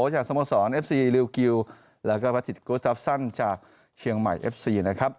จากสมสรรค์เอฟซีริวกิวแล้วก็พระธิกุฎรัพย์ซั่นจากเชียงใหม่เอฟซีนะครับ